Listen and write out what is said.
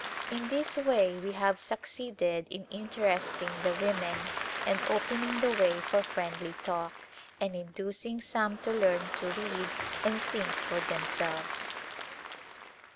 In this way we have succeeded in interesting the women and opening the way for friendly talk, and inducing some to learn to read and think for themselves.